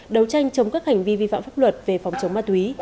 đấu tranh chống các hành vi vi phạm pháp luật về phòng chống ma túy